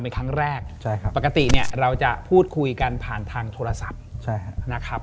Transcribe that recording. เป็นครั้งแรกปกติเนี่ยเราจะพูดคุยกันผ่านทางโทรศัพท์นะครับ